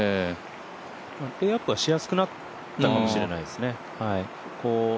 レイアップはしやすくなったのかもしれないですね。